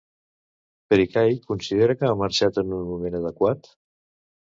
Pericay considera que ha marxat en un moment adequat?